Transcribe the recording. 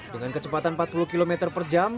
dengan kecepatan empat puluh km per jam